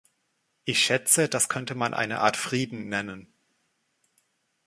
Ich schätze, das könnte man eine Art Frieden nennen.